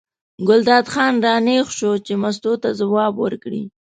ګلداد خان را نېغ شو چې مستو ته ځواب ورکړي.